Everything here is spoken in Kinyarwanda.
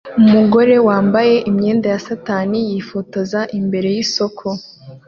Umugore yambaye imyenda ya satani yifotoza imbere yisoko